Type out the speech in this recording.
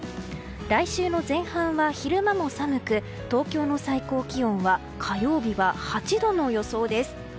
来週の前半は昼間も寒く東京の最高気温は火曜日は８度の予想です。